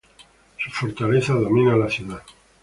Su fortaleza domina la ciudad.